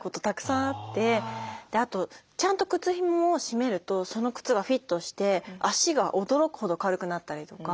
あとちゃんと靴ひもを締めるとその靴がフィットして脚が驚くほど軽くなったりとか。